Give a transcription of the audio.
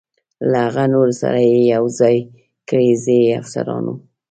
له هغه نورو سره یې یو ځای کړئ، زه یې د افسرانو.